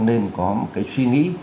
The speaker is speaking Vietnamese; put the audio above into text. nên có một cái suy nghĩ